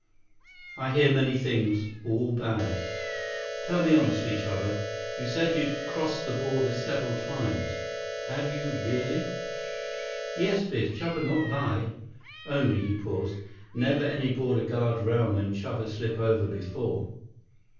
"I hear many things. All bad." "Tell me honestly, Chuba. You said you've crossed over several times. Have you, really?" "Yes, Biff. Chuba not lie. Only," he paused, "never any border guard around when Chuba slip over before."